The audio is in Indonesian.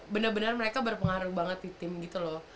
bener bener mereka berpengaruh banget di tim gitu loh